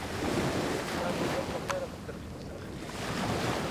دا غورځنګ له پیله قدرتونو سره ښکېل شو